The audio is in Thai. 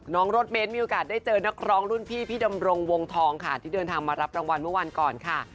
น้องรถเบ้นมีโอกาสได้เจอนักร้องรุ่นพี่พี่ดำรงวงทองค่ะที่เดินทางมารับรางวัลเมื่อวันก่อนค่ะ